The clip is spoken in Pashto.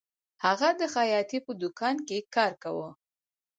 هغه د خیاطۍ په دکان کې کار کاوه